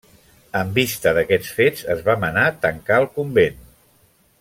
En vista d'aquests fets es va manar tancar el convent.